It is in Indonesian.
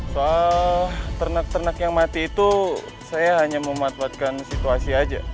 soal ternak ternak yang mati itu saya hanya memanfaatkan situasi aja